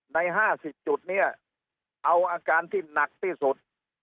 ใน๕๐จุดเนี่ยเอาอาการที่หนักที่สุด